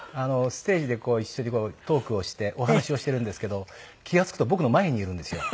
ステージで一緒にトークをしてお話しをしているんですけど気が付くと僕の前にいるんですよ。